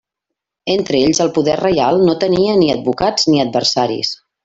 Entre ells el poder reial no tenia ni advocats ni adversaris.